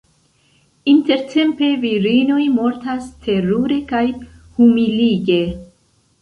Intertempe virinoj mortas terure kaj humilige.